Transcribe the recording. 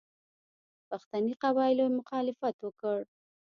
پښتني قبایلو مخالفت وکړ.